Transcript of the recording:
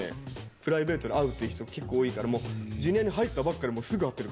プライベートで会うっていう人結構多いからもうＪｒ．に入ったばっかでもすぐ会ってるから。